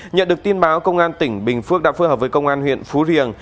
nhận được tin báo công an tỉnh bình phước đã phối hợp với công an huyện phú riềng